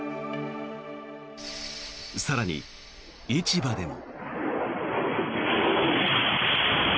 更に、市場でも。